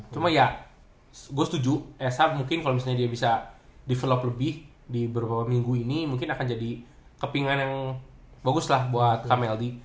cuma ya gue setuju eh sort mungkin kalau misalnya dia bisa develop lebih di beberapa minggu ini mungkin akan jadi kepingan yang bagus lah buat kameldi